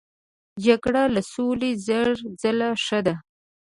جګړه له سولې زر ځله ښه ده.